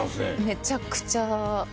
めちゃくちゃ。